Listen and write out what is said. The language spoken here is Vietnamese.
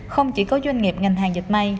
không chỉ có doanh nghiệp ngành hàng dịch may